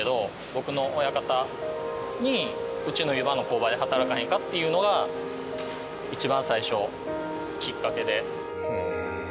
僕の親方にうちの湯葉の工場で働かへんかっていうのが一番最初きっかけで。